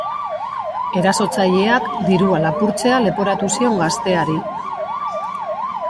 Erasotzaileak dirua lapurtzea leporatu zion gazteari.